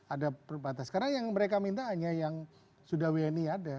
ada perbatas karena yang mereka minta hanya yang sudah wni ada